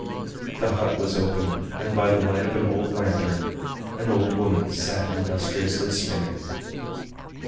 The hut was open, and by the light of an old lantern an old woman sat industriously spinning.